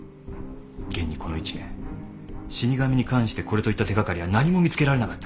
現にこの１年死神に関してこれといった手掛かりは何も見つけられなかった。